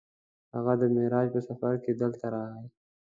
هغه د معراج په سفر کې دلته راغی.